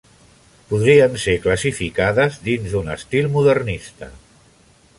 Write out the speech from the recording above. Podrien ser classificades dins d'un estil modernista.